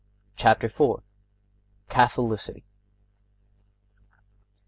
Chapter IV. CATHOLICITY.